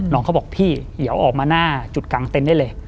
น้องเขาบอกพี่เดี๋ยวออกมาหน้าจุดกังเต้นได้เลย